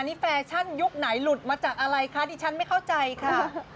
นี่แฟชั่นยุคไหนหลุดมาจากอะไรคะดิฉันไม่เข้าใจค่ะ